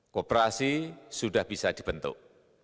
kooperasi sudah bisa dibentuk